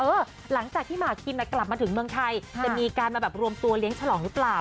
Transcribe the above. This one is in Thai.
หลังจากที่หมากคิมกลับมาถึงเมืองไทยจะมีการมาแบบรวมตัวเลี้ยงฉลองหรือเปล่า